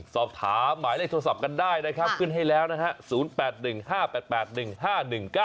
สอบถามหมายเลขโทรศัพท์กันได้นะครับขึ้นให้แล้วนะฮะ๐๘๑๕๘๘๑๕๑๙